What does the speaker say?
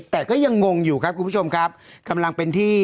แต่ก็ยังงงอยู่ครับคุณผู้ชมครับกำลังเป็นที่